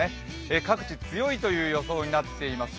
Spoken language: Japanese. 各地、強いという予想になっています。